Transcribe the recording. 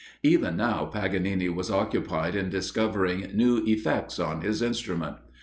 Even now Paganini was occupied in discovering new effects on his instrument.